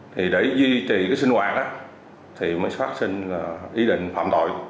thì để duy trì cái sinh hoạt thì mới xác sinh ý định phạm tội